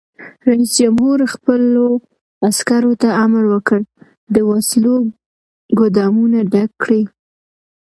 رئیس جمهور خپلو عسکرو ته امر وکړ؛ د وسلو ګودامونه ډک کړئ!